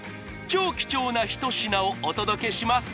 超貴重な一品をお届けします